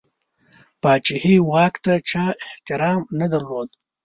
پاچهي واک ته چا احترام نه درلود.